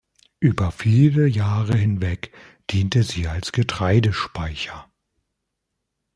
Über viele Jahre hinweg diente sie als Getreidespeicher.